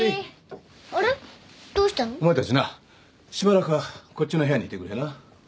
お前たちなしばらくはこっちの部屋にいてくれな。